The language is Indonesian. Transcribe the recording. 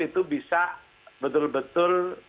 itu bisa betul betul